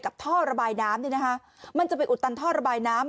กับท่อระบายน้ำมันจะไปอุดตันท่อระบายน้ำ